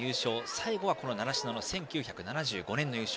最後は習志野の１９７５年の優勝。